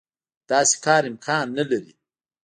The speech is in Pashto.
داسې کار امکان نه لري.